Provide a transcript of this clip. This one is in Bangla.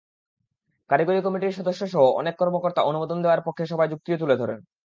কারিগরি কমিটির সদস্যসহ অনেক কর্মকর্তা অনুমোদন দেওয়ার পক্ষে সভায় যুক্তিও তুলে ধরেন।